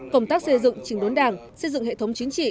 công tác xây dựng trình đốn đảng xây dựng hệ thống chính trị